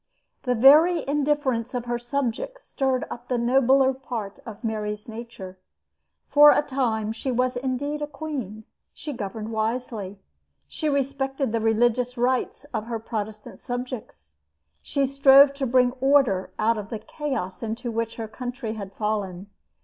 The very indifference of her subjects stirred up the nobler part of Mary's nature. For a time she was indeed a queen. She governed wisely. She respected the religious rights of her Protestant subjects. She strove to bring order out of the chaos into which her country had fallen.